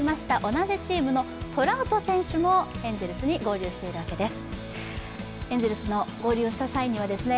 同じチームのトラウト選手もエンゼルスに合流しているわけです。